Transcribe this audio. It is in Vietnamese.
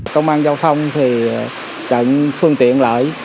công an giao thông thì chặn phương tiện lợi